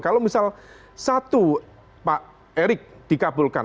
kalau misal satu pak erick dikabulkan